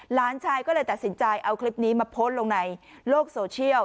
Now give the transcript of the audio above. หลานชายก็เลยตัดสินใจเอาคลิปนี้มาโพสต์ลงในโลกโซเชียล